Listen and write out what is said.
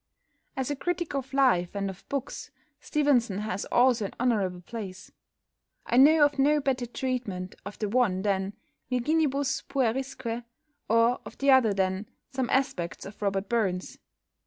As a critic of life and of books Stevenson has also an honourable place. I know of no better treatment of the one than "Virginibus Puerisque," or of the other than "Some Aspects of Robert Burns."